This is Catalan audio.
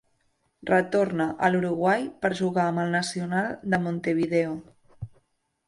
Retorna a l'Uruguai per jugar amb el Nacional de Montevideo.